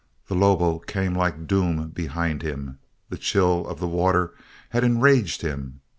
The lobo came like doom behind him. The chill of the water had enraged him.